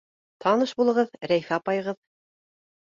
— Таныш булығыҙ — Рәйфә апайығыҙ.